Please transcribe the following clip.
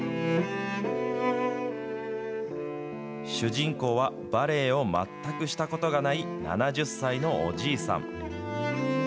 主人公はバレエを全くしたことがない７０歳のおじいさん。